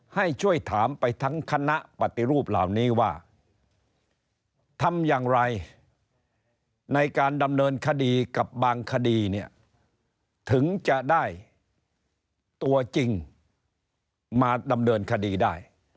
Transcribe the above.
ให้ช่วยถามไปทั้งคณะปฏิรูปเหล่านี้ว่าทำอย่างไรในการดำเนินคดีกับบางคดีเนี่ยถึงจะได้ตัวจริงมาดำเนินคดีได้